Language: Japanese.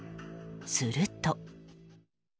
すると。